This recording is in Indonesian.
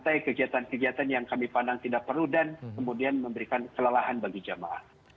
dan kegiatan kegiatan yang kami pandang tidak perlu dan kemudian memberikan kelelahan bagi jamaah